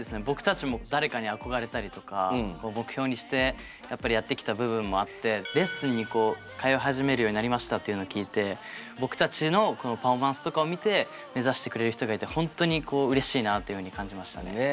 僕たちも誰かに憧れたりとか目標にしてやっぱりやってきた部分もあってレッスンに通い始めるようになりましたっていうのを聞いて僕たちのパフォーマンスとかを見て目指してくれる人がいて本当にうれしいなって感じましたね。